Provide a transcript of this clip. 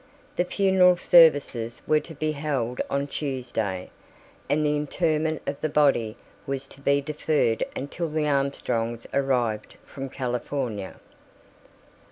The funeral services were to be held on Tuesday, and the interment of the body was to be deferred until the Armstrongs arrived from California.